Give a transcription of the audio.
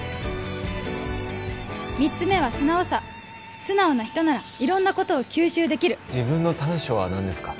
３つ目は素直さ素直な人なら色んなことを吸収できる自分の短所は何ですか？